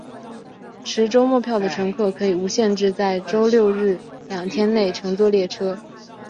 持周末票的乘客可以无限制在周六日两天内乘坐列车。